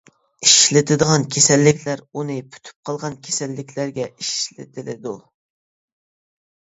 ئىشلىتىدىغان كېسەللىكلەر: ئۈنى پۈتۈپ قالغان كېسەللىكلەرگە ئىشلىتىلىدۇ.